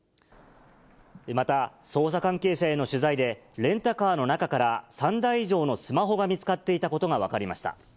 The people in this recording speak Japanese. また、捜査関係者への取材で、レンタカーの中から３台以上のスマホが見つかっていたことが分かりました。